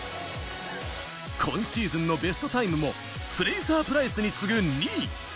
今シーズンのベストタイムもフレイザー・プライスに次ぐ２位。